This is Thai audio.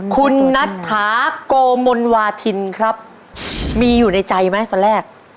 คุณนัทธาโกมนวาทินครับมีอยู่ในใจไหมตอนแรก